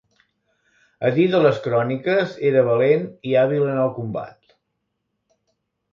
A dir de les cròniques, era valent i hàbil en el combat.